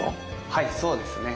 はいそうですね。